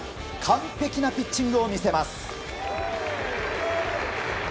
完璧なピッチングを見せます。